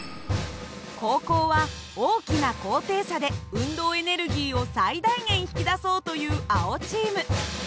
後攻は大きな高低差で運動エネルギーを最大限引き出そうという青チーム。